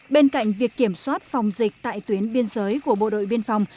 bên cạnh việc kiểm soát phòng dịch tại tuyến biên giới của bộ đội biên phòng